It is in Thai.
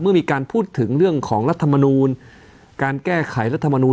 เมื่อมีการพูดถึงเรื่องของรัฐมนูลการแก้ไขรัฐมนูล